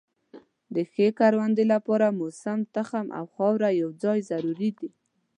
د ښې کروندې لپاره موسم، تخم او خاوره یو ځای ضروري دي.